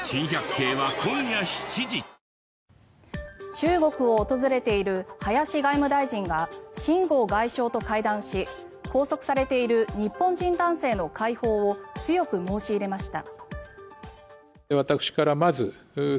中国を訪れている林外務大臣が秦剛外相と会談し拘束されている日本人男性の解放を強く申し入れました。